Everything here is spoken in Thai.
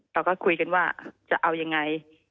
เราก็คุยกันว่าจะเอายังไง